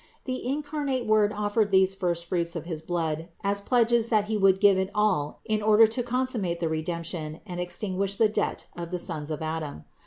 The incarnate Word offered these first fruits of his blood as pledges that He would give it all in order to consummate the Redemption and extinguish the debt of the sons of Adam.